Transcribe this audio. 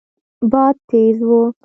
باد تېز و.